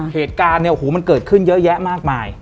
เหตุการณ์เนี่ยโอ้โหมันเกิดขึ้นเยอะแยะมากมาย